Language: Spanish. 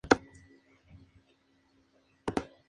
Desemboca en el río Loira a su paso por la ciudad de Nantes.